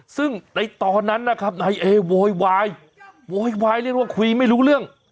ซึ่งในตอนนั้นนะครับนายเอโวยวายโวยวายเรียกว่าคุยไม่รู้เรื่อง